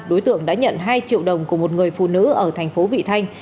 đối tượng đã nhận hai triệu đồng của một người phụ nữ ở thành phố vị thanh